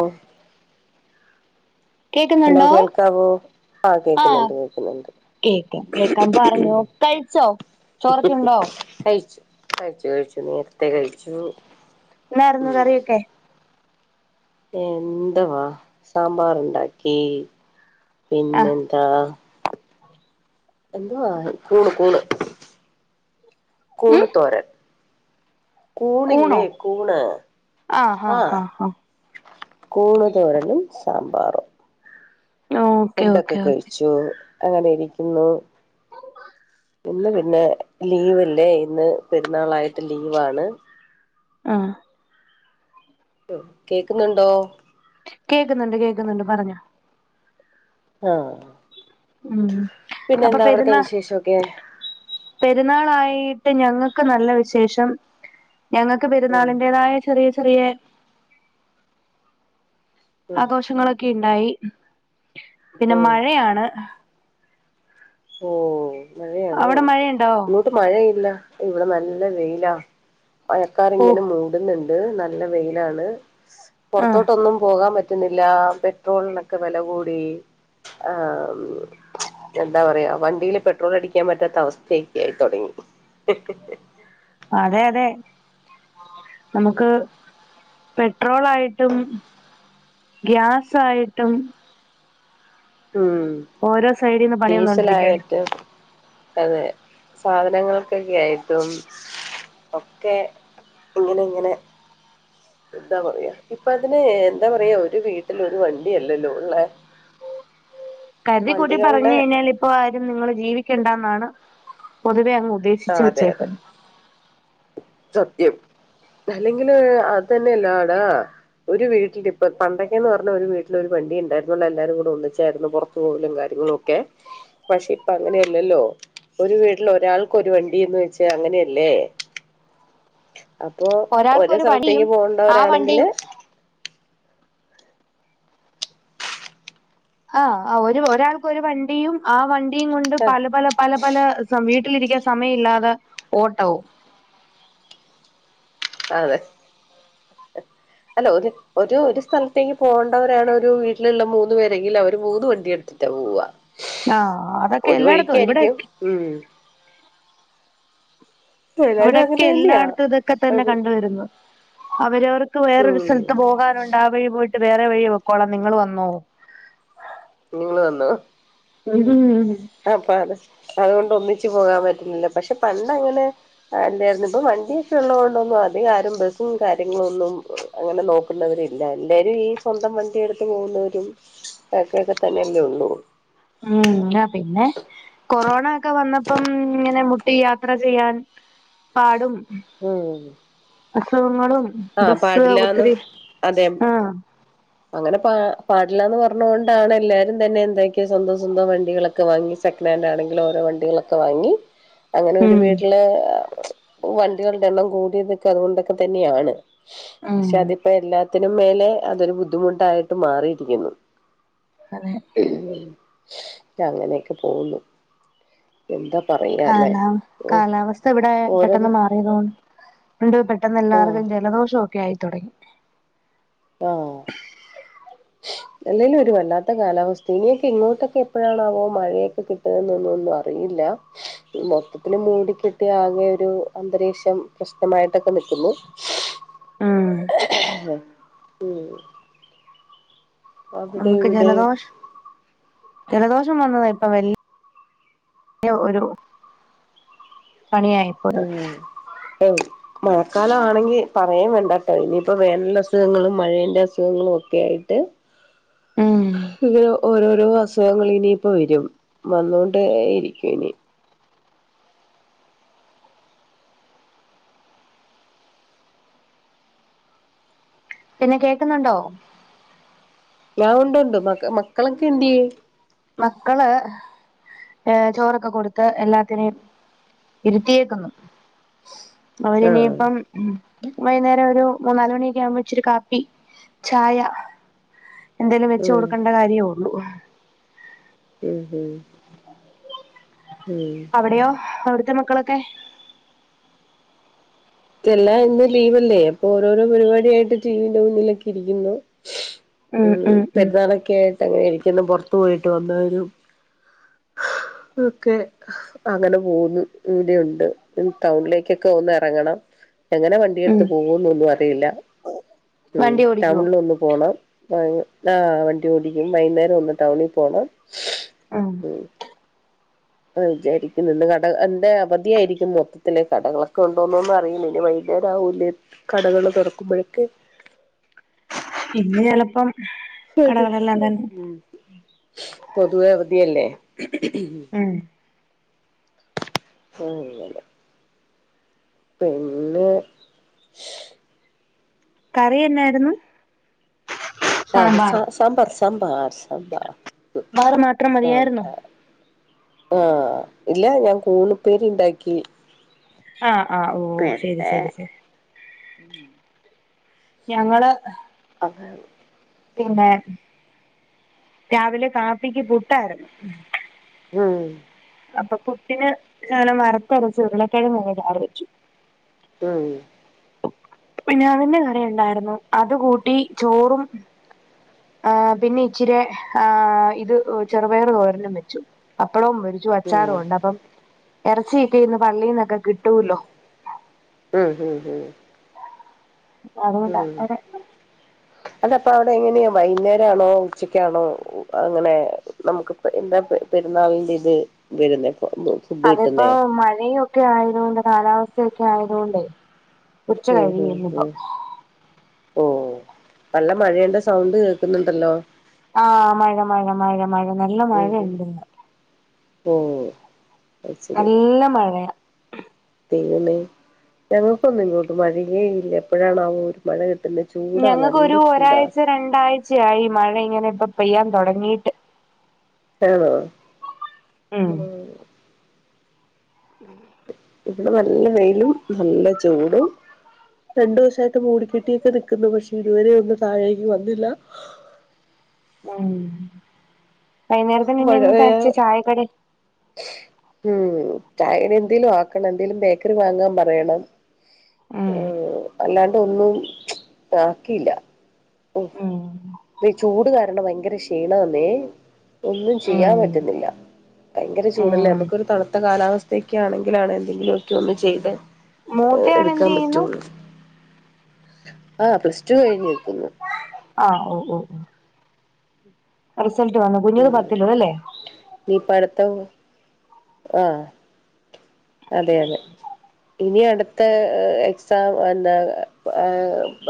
ഓ hello കേക്കുന്നുണ്ടോ കേൾക്കാവോ ആ ആഹ് കേക്കുന്നുണ്ട് കേക്കുന്നുണ്ട് കേക്കാം പറഞ്ഞു കഴിച്ചോ ചോറൊക്കെയുണ്ടോ കഴിച്ചു കഴിച്ചു കഴിച്ചു നേരത്തെ കഴിച്ചു ന്നായിരുന്നു കറിയൊക്കെ എന്ത് വ സാമ്പാറുണ്ടാക്കി ആഹ് പിന്നെന്താ എന്തുവാ കൂണ് കൂണ് ഉം കൂണ് തോരൻ കൂണോ കൂണില്ലേ കൂണ് ഹാ ആഹ് ഹാ ഹാ കൂണ് തോരനും സാമ്പാറ് ഓക്കെ ഫുഡൊക്കെ ഓക്കെ ഓക്കെ കഴിച്ചൂ അങ്ങനെ ഇരിക്കുന്നു ഇന്ന് പിന്നെ ലീവലേ ഇന്ന് പെരുന്നാളായിട്ട് ലീവാണ് ആഹ് കേക്കുന്നുണ്ടോ കേക്കുന്നുണ്ട് കേക്കുന്നുണ്ട് പറഞ്ഞോ ആഹ് ഉം അപ്പൊ പിന്നെന്താ അവിടത്തെ പെരുന്നാ വിശേഷൊക്കെ പെരുന്നാളായിട്ട് ഞങ്ങക്ക് നല്ല വിശേഷം ഞങ്ങൾക്ക് ഉം പെരുന്നാളിന്റേതായ ചെറിയ ചെറിയ ഉം ആഘോഷങ്ങളൊക്കെ ഇണ്ടായി പിന്നെ ഉം മഴയാണ് ഓ മഴയാണോ അവിടെ മഴ ഇ ഇങ്ങോട്ട് മഴയില്ല ഇവിടെ നല്ല വെയിലാ ഓഹ് മഴക്കാറിങ്ങനെ മൂടുന്നുണ്ട് ത് നല്ല വെയിലാണ് ആഹ് പൊർത്തോട്ടൊന്നും പോകാൻ പ റ്റുന്നില്ലാ പെട്രോളിനൊക്കെ വില കൂടി ആഹ് ഉം എന്താ പറയാ വണ്ടീല് പെട്രോള് അടിക്കാൻ പറ്റാത്ത അവസ്ഥയി ക്കേയി തൊടങ്ങി അതെ അതെ നമുക്ക് പെട്രോളായിട്ടും ഗ്യാസായിട്ടും ഉം ഓരോ സൈഡിന്ന് പണി വന്നോണ്ടിരിക്കുവ ഡീസലായിട്ട് അതെ സാധനങ്ങൾക്കൊക്കെ ആയിട്ടും ഒക്കെ ഇങ്ങനെ ഇങ്ങനെ എന്താ പറയാ ഇപ്പൊ അതിന് എന്താ പറയാ ഒരു വീട്ടില് ഒരു വണ്ടിയല്ലല്ലോ ഉള്ളേ? കര്തി കൂട്ടി പറഞ് കഴിഞ്ഞാൽ ഇപ്പോ ആ നിങ്ങള് ജീവിക്കണ്ടാന്നാണ് പൊത് തെഅങ്ങ് ആ ഉദ്ദേശിച്ച് അതെ അതെ വച്ചേക്ക സത്യം അല്ലെങ്കില് അതെന്നെല്ലാടാ ഒരു വീട്ടിലിപ്പൊ പണ്ടൊക്കെന്ന് പറഞ്ഞ ഒരു വീട്ടില് ഒരു വണ്ടിണ്ടായിരുന്നുള്ളല്ലാരും കൂടെ ഒന്നിച്ചായിരുന്നു പുറത്തു പോവലും കാര്യങ്ങളൊക്കെ പക്ഷെ ഇപ്പ അങ്ങനെയല്ലല്ലോ ഒരു വീട്ടില് ഒരാൾക്ക് ഒരു വണ്ടിന്ന് വെച്ച് അങ്ങനെയല്ലേ അപ്പൊ ഒരു ഒരാൾക്കൊരു പണിയും സലത്തേക്ക് ആ വണ്ടി പോകണ്ടവരാണെങ്കില് ആഹ് അഹ് ഒരു ഒരാൾക്കൊരു വണ്ടിയും ആ വ ണ്ടീം കൊണ്ട് ആ പല പല പല പല സമ ട്ടിലിരിക്കാൻ സമയില്ലാത ഓട്ടവും അതെ അല്ല ഒരു ഒരു ഒരു സ്ഥലത്തേക്ക് പോവണ്ടവരാണ് ഒരു വീട്ടിലിള്ള മൂന്ന് പേരെങ്കിലു അവര് മൂന്ന് വണ്ടി എടുത്തിട്ടാ പോവ. ആഹ് അതൊക്കെ എല്ലായിടത്തുവ ഇവിടെ ഉം എല്ലാരും അങ്ങനെ ഇവിടെക്കെ തന്നെയാ എല്ലാടത്തു ഇതൊക്കെ തന്നെ അത് കണ്ടുവരുന്നു. അവരവർ ക്ക് വേറൊരു ഉം സലത്ത് പോകാനുണ്ട് ആ വഴി പോ വേറെ വഴി പൊക്കോണം നിങ്ങള് വന്നോ നിങ്ങള് വന്നോ മ്മ് അപ്പ അത് അതുകൊണ്ട് ഒന്നിച്ച് പോകാൻ പറ്റ ഇല്ല പക്ഷെ പണ്ടങ്ങനെ അല്ലയിരുന്നു ഇപ്പൊ വണ്ടിയൊക്കെ ഉള്ളോണ്ടൊന്നും അധികം ആരും ബസ്സും കാര്യങ്ങളൊന്നും അങ്ങനെ നോക്കുന്നവരില്ല എല്ലാരും ഈ സ്വന്തം വണ്ടി എടുത്ത് പോകുന്നവരും ക്കെ തന്നെയല്ലേ ഒള്ളൂ മ്മ് ആ പിന്നെ കൊറോ ക്ക വന്നപ്പം ഇങ്ങനെ മു പി യാത്ര ചെയ്യാൻ പാടും മ്മ് അസുഖങ്ങളും ബസ്സ് ഒത്തിരി അതെ ആഹ് അങ്ങനെ പാ പാടില്ലാന്ന് പറഞ്ഞോണ്ടാണ് എല്ലാരും തന്നെ എന്താക്കിയ സ്വന്തം സ്വന്തം വണ്ടികളക്ക വാങ്ങി സെക്കനാന്റാണെങ്കിലോരോ വണ്ടികളൊക്ക വാങ്ങി അങ്ങനൊരു ഉം വീട്ടില് ആ വണ്ടികളുടെ എണ്ണം കൂ ഇതൊക്ക അതുകൊണ്ടൊക്കെ തന്നെയാണ് ഉം പക്ഷെ അതിപ്പ എല്ലാത്തി ന് മേലെ അതൊരു ബുദ്ധിമുട്ടായിട്ടു മാറിയിരിക്കുന്നു അതെ അങ്ങനെക്ക പോകുന്നു എന്താ പറയാല്ലേ കാലാവ് ഓ കാലാവസ്ഥ ഇവിടെ ഓരോ പെട്ടന്ന് മാറിയതോന്ന് ഉണ്ട് പെട്ടന്ന് ആഹ് എല്ലാർക്കും ജലദോഷോ ക്കെ ആയി തുടങ്ങി ആഹ് അല്ലേലും ഒരു വല്ലാത്ത കാലാവസ്ഥ ഇനിയൊക്കെ ഇങ്ങോട്ടൊക്കെ എപ്പഴാണാവോ മഴേക്കെ കിട്ടുവൊന്നൊന്നും ഒന്നും അറിയില്ല മൊത്തത്തില് മൂടിക്കെട്ടിയാകെ ഒരു അന്തരീക്ഷം പ്രശ്നമായിട്ടൊക്ക നിക്കുന്നു ഉം [inaudible] ഹ് മ്മ് നമുക്ക് അവിടേയിവിടേം ജലദോഷം ജലദോഷം വന്നത് ഇപ്പൊ വല്യ ഒരു പണിയായിപ്പോയത് ഉം എ മഴക്കാലം ആണെങ്കി പറയേം വേണ്ട കേട്ടോ ഇനിയിപ്പോ വേനണ്ട അസുഖങ്ങളും മഴേന്റെ അസുഖങ്ങളും ഒക്കെ ആയിട്ട് ഉം ഇ ഓര ഓരോ അസുഖങ്ങൾ ഇനിയിപ്പ വരും വന്നൊണ്ട ഇരിക്കും ഇനി പിന്നെ കേക്കുന്നുണ്ടോ ഞാ ഉണ്ടുണ്ട് മ മക്കളൊക്കെ എന്തേ മക്കള് ഏ ചോറൊക്കെ കൊടുത്ത് എല്ലാത്തിനെയും ഇരുത്തിയേക്കുന്നു ആഹ് അവരിനിയിപ്പം വൈകുന്നേരം ഒരു മൂന്നാല് മണിയൊക്കെ ആവുമ്പോ ഇച്ചിരി കാപ്പി ചായ എന്തായാലും വെച്ച ഉം കൊടുക്കണ്ട കാര്യമോ [unintelligible] ഉം ഹും അവിടെയോ അ ഇറ്റ മക്കളൊക്കെ ഇതല്ലാ ഇന്ന് ലീവല്ലേ അപ്പൊ ഓരോരോ പരിപാടിയായിട്ട് ടടി വിന്റെ മുന്നിലൊക്കെ ഇരിക്കുന്നു ഉ ഉം ഉം ഉം പെരുന്നാളൊക്കെ ആയിട്ട് അങ്ങനെ പുറത്തു പോയിട്ട് വന്നവരും ഒക്കെ അങ്ങനെ പോകുന്നു ഇടെയുണ്ട് ടൗണിലേക്കൊക്കെ ഒന്ന് ഇറങ്ങണം എങ്ങനെ വണ്ടി ഉം എടുത്ത് പോകൂന്നെന്നും അറിയില്ല ഉം വണ്ടി ഓടിക്കുവോ ടൗണില ഒന്ന് പോണം ആ ആ വണ്ടി ഓടിക്കും വൈകുന്നേരം ഒന്ന് ടൗണിൽ പോണം ഉം അ വിചാരിക്കും നിന്ന് കട എന്റെ അവധിയായിരിക്കും മൊത്തത്തിലെ കടകളൊക്കെ കൊണ്ടോന്നുന്ന് അറിയും ഇനി വൈലേരാവല കടകൾ തുറക്കുമ്പോഴൊക്കെ ഇന്ന് ചെലപ്പം അതെ കടകളെല്ലാം തന്നെ പൊതുവെ അവധിയല്ലേ ഉം ഉ ഇല്ലല്ല പിന്നെ കറി എന്നായിരുന്നു ആ സാ സാമ്പാറ് സാമ്പാർ സാമ്പാർ സാമ്പാർ വേറെ മാത്രം മതിയായിരുന്നോ ആ ഇല്ല ഞാൻ കൂണുപ്പേരി ഇണ്ടാക്കി ആ ആ ഓ ശരി ശരി ശ ഉം ഞങ്ങള് അതെ പിന്നെ രാവിലെ കാപ്പിക്ക് പുട്ടായിരുന്നു ഉം അപ്പൊ പുട്ടിന് ഞാന് വറുത്തരച്ച ഉരുളക്കിഴങ്ങ് ചാറു വച്ചു. ഉം പിന്നെ അതിന്റെ കറിയുണ്ടായിരുന്നു. അത് കൂട്ടി ചോറും ആ പിന്നെ ഇച്ചിരി ആ ഇത് ചെറുപയർ തോരനും വെച്ചു. പ്പടം പൊരിച്ചു ഉം അച്ചാറുമുണ്ട് അപ്പം ഇറച്ചി കിട്ടീന്ന് പള്ളിന്നൊക്കെ കിട്ടൂല്ലോ ഉം ഉം ഉം അതുകൊണ്ടാ അവരെ അതപ്പോ അവിടെ എങ്ങനെയാ വൈകുന്നേരം ആണോ ഉച്ചക്കാണോ അങ്ങനെ നമുക്ക് എന്താ പെരുന്നാളിന്റെ ഇത് വരുന്നേ? ഫുഡ് അതിപ്പോ കിട്ടുന്നേ മഴയും ഒക്കെ ആയതോണ്ട് കാലാവസ്ഥ ഒക്കെ ആയതോണ്ടേ ഉച്ച ഉം കഴിയും ഉം ഇന്നിപ്പോ. ഉം ഓ നല്ല മഴേന്റെ സൗണ്ട് കേൾക്കുന്നുണ്ടല്ലോ. ആഹ് മഴ മഴ മഴ മഴ നല്ല മഴ ഇണ്ടിന്ന്. ഓഹ് നല്ല മഴയാ. ദൈവമേ ഞങ്ങൾക്കൊന്നും ഇങ്ങോട്ട് മഴയേ ഇല്ല എപ്പോഴാണാവോ ഒരു മഴ കി ഞങ്ങക്കൊരു ഒരാഴ്ച രണ്ടാഴ്ചയായി മഴ ഇങ്ങനെ ഇപ്പം പെയ്യാൻ തൊടങ്ങീട്ട്. ആണോ? ഉം ഇവിടെ നല്ല വെയിലും നല്ല ചൂടും രണ്ടു ദിവസായിട്ട് മൂടിക്കെട്ടിയൊക്കെ നിക്കുന്നു പക്ഷെ ഇതുവരെ ഒന്നും താഴേക്ക് വന്നില്ല ഉം മഴ പെയ്യാ വൈകുന്നേരത്തെ [unintelligible] ചായക്കടയിൽ ഉം ചായക്ക് എന്തേലും ആക്കണം എന്തേലും ബേക്കറി വാങ്ങാൻ പറയണം ഉം അല്ലാണ്ട് ഒന്നും ആക്കി ഇല്ല ഓ ഉം പ്പ ചൂട് കാരണം ഭയങ്കര ഇഷ ചെയ്യണേന്നെ ഒന്നും ചെയ്യാൻ ഉം പറ്റുന്നില്ല ഭയങ്കര ചൂടല്ലേ ഉം നമ്മക്കൊരു തളുത്ത കാലാവസ്ഥയൊക്കെ ആണെങ്കിലാണ് എന്തെങ്കിലുക്കെ ഒന്ന് ചെയ്ത് മൂത്തയാൾ എന്ത് ചെയ്യുന്നു അ [unintelligible] ആ പ്ലസ് ടു കഴിഞ്ഞ് നിക്കുന്നു.... അ [unintelligible] റിസൾട്ട്‌ വന്നു കുഞ്ഞിത് ഉം പത്തിലും അല്ലേ ആ അതേയതേ ഇനി അടുത്ത എക്സാം എന്താ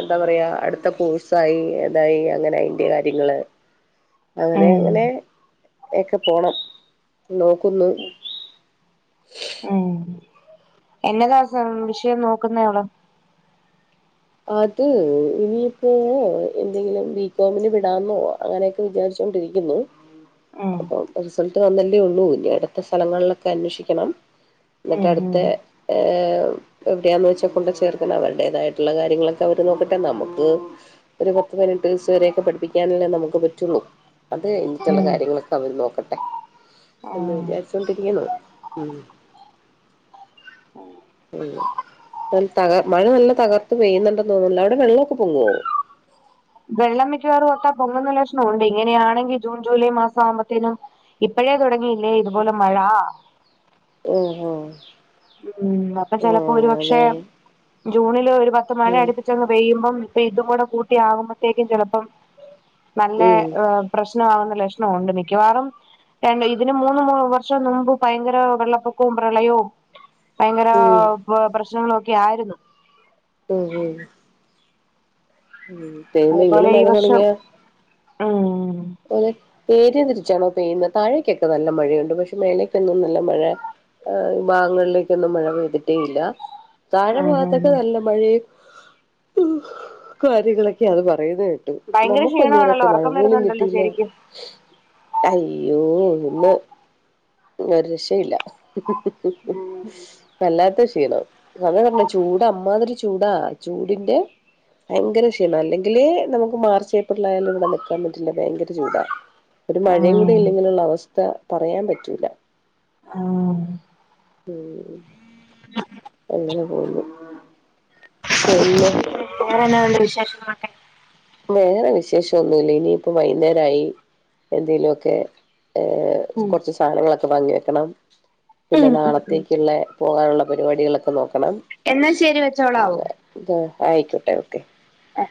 എന്താ പറയാ അടുത്ത കോഴ്സായി അതായി അങ്ങനെ അയിന്റെ കാര്യങ്ങള് അങ്ങനെ ഉം അങ്ങനെ.... ഒക്കെ പോണം നോക്കുന്നു.... ഉം ഉ.... എന്നതാ വിഷയം നോക്കുന്നയാൾ.... അത് ഇനിയിപ്പോ! എന്തെങ്കിലുംബികോമിന് വിടാന്നോ അങ്ങനെയൊക്കെ വിചാരിച്ചുകൊണ്ടിരിക്കുന്നു ഉം അപ്പൊ റിസൾട്ട് വന്നല്ലേ ഉള്ളൂ ഇനി അടുത്ത സ്ഥലങ്ങളിലൊക്കെ അന്വേഷിക്കണം എന്നിട്ട് ഉം അടുത്ത ഉം ഏ എവിടെയാ ന്ന് വെച്ചാ കൊണ്ട് ചേർക്കണം അവളുടേതായിട്ട്, കാര്യങ്ങളൊക്കെ അവര് നോക്കട്ടെ നമുക്ക് ഒരു പത്ത് പതിനെട്ട് ദിവസ വരെയൊക്കെ പഠിപ്പിക്കാനല്ലേ നമുക്ക് പറ്റുള്ളൂ അത് കഴിഞ്ഞിട്ടുള്ള ഉം കാര്യങ്ങളൊക്കെ അവര് നോക്കട്ടെ എന്ന് ആഹ് വിചാരിച്ചൊണ്ടിരിക്കുന്നു. ഉം തക മഴ നല്ല തകർ... അ പെയ്യുന്നുണ്ടെന്ന് തോന്നുന്നുണ്ടല്ലോ. അവിടെ വെള്ളക്കെ പൊങ്ങോ വെള്ളം മിക്കവാറും ഒത്താ പൊങ്ങുന്ന ലക്ഷണം ഉണ്ട്. ഇങ്ങനെയാണെങ്കിൽ ജൂൺ, ജൂലൈ മാസം ആകുമ്പോത്തേനും ഇപ്പോഴേ ഇ [unintelligible] അല്ലേ ഉം ഇതുപോലെ മഴാ.... [unintelligible] ഉം അപ്പൊ ചിലപ്പോ ആഹ് ഒരുപക്ഷെ. അതെതെ ജൂണില് ഒരു പത്ത് മണി ഉം അടിപ്പിച്ചങ് പെയ്യുമ്പം ഇതും കൂടെ കൂട്ടിയാകുമ്പോത്തേക്ക്‌ ചെലപ്പം നല്ല ഉം പ്രശ്നമാവ് ലക്ഷണമുണ്ട് മിക്കവാറും രണ്ട് ഇതിന് മൂന്ന് വർഷം മുമ്പ് ഭയങ്കര വെള്ളപ്പൊക്കവും പ്രളയവും.... ഭയങ്കര ഉം പ്രശ്നങ്ങള് ഒക്കെ ആയിരുന്നു.... ഉം.... ഉം തേന്ന് ഇങ്ങനെ അതുപോലെ ഈ മഴ വർഷം തുടങ്ങിയാ.... ഉം ഓല് ഏരിയ തിരിച്ചാണോ പെയ്യുന്നത്. താഴേക്കൊക്കെ നല്ല മഴയുണ്ട് പക്ഷെ മേലേക്കൊന്നും നല്ല മഴ ഭാഗങ്ങളിലേക്കൊന്നും മഴ പെയ്തിട്ടേ ഇല്ല... താഴെ ഉം ഭാഗത്തൊക്കെ ഉം നല്ല മഴയ ഉം കാര്യങ്ങളൊക്കെ അത് പറ പെയ്തു കേട്ട ഭയങ്കര നമുക്കൊന്നും ഒരൊറ്റ ക്ഷീണമാണല്ലോ മഴ ഉറക്കം പോലും കിട്ട.... വരുന്നുണ്ടല്ലോ കിട്ടിയില്ലേ ശരിക്കും അയ്യോ.... ന്ന് ഒരു രക്ഷയില്ല.... വല്ലാത്ത ക്ഷീണം അങ്ങന പറഞ്ഞ ചൂട് അമ്മാതിരി ചൂടാ ചൂടിന്റെ ഭയങ്കര ക്ഷീണം അല്ലെങ്കിലേ നമുക്ക് മാർച്ച് ഏപ്രിൽ യാലും ഇവിടെ നിക്കാൻ പറ്റില്ല ഭയങ്കര ചൂടാ ഒരു മഴയും കൂടി ഉം ഇല്ലെങ്കിലുള്ള അവസ്ഥ പറയാൻ പറ്റൂല ആ ഉം ഓ മ് പിന്നെ വേറെന്നാണ്ട് വിശേഷംമൊക്കെ വേറെ വിശേഷന്നൂല്യ ഇനിയിപ്പ വൈകുന്നേരായി എന്തേലുഒക്കെ ഏ കുറച്ച് സാധനങ്ങളൊക്കെ വാങ്ങിവെക്കണം പിന്നെ നാളത്തേക്കുള്ള പോകാനുള്ള പരിപാടികളൊക്കെ നോക്കണം ക്കണം എന്നാ ശരി വെച്ചോളാവോ അങ്ങനെ ന്ത ആയിക്കോട്ടെ ഓക്കെ ആ